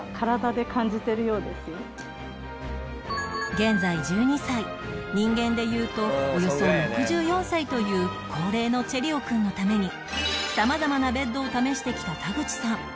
現在１２歳人間でいうとおよそ６４歳という高齢のチェリオくんのために様々なベッドを試してきた田口さん